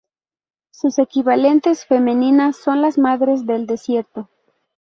Sus equivalentes femeninas son las Madres del desierto.